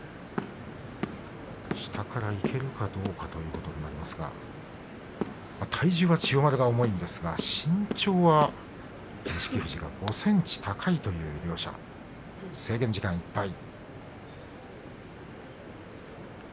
下からいけるかどうかということになりますが体重は千代丸が重いんですが身長は錦富士のほうが５ｃｍ高いという２人、制限時間いっぱい。